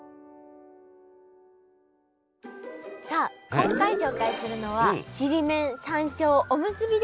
さあ今回紹介するのはちりめん山椒おむすびです！